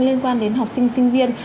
liên quan đến học sinh sinh viên